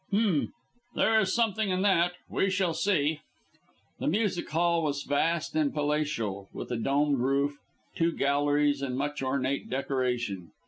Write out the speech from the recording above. "H'm! There is something in that. We shall see." The music hall was vast and palatial, with a domed roof, two galleries, and much ornate decoration.